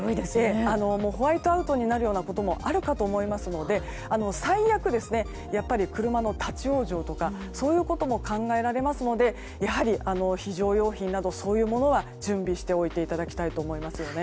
ホワイトアウトになるようなこともあるかと思いますので最悪、やっぱり車の立ち往生とかそういうことも考えられますので非常用品など準備しておいていただきたいと思います。